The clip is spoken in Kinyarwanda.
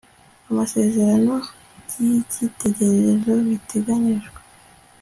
amasezerano by icyitegererezo biteganyijwe